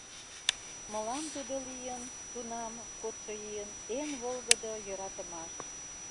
Мылам тудо лийын, Тунам, кодшо ийын, Эн волгыдо йӧратымаш.